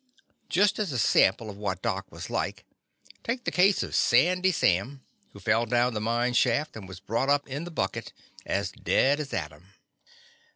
Just as a sample of what Doc was like, take the case of Sandy Sani, who fell down the mine shaft and was brought up in the bucket, as dead as Adam.